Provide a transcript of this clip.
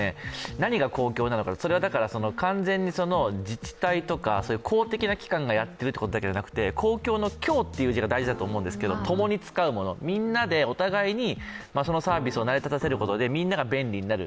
何が公共なのか、それは完全に自治体とか公的な機関がやっているというだけじゃなくて公共の共という字が大事でともに使うもの、みんなでお互いにそのサービスを成り立たせることで、みんなが便利になる。